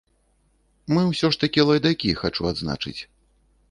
Мы ўсё ж такі лайдакі, хачу адзначыць.